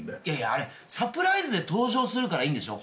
あれサプライズで登場するからいいんでしょ？